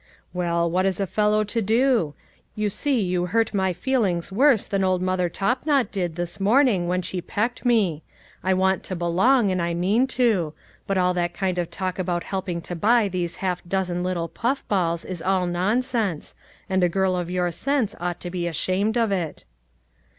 " Well, what is a fellow to do ? You see you A WILL AND A WAY. 281 hurt ray feelings worse than old Mother Topknot did this morning when she pecked me ; I want to belong, and I mean to ; but all that kind of talk about helping to buy these half dozen little puff balls is all nonsense, and a girl of your sense ought to be ashamed of it."